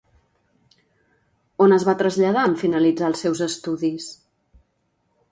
On es va traslladar en finalitzar els seus estudis?